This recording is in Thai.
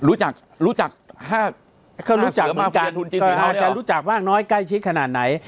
รู้จักรู้จักก็รู้จักเหมือนกันรู้จักมากน้อยใกล้ชิดขนาดไหน